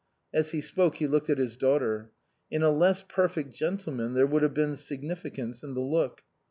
As he spoke he looked at his daughter. In a less perfect gentleman there would have been significance in the look.